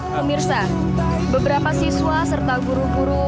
mbak mirsti beberapa siswa serta guru guru